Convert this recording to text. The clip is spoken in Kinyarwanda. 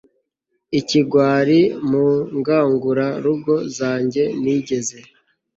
ikigwari mu ngangurarugo zanjye nigeze